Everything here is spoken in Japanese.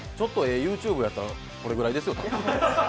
ＹｏｕＴｕｂｅだったら、これぐらいですよね。